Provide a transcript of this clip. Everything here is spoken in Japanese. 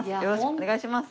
お願いします。